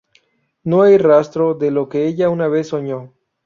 No hay rastro de lo que ella una vez soñó.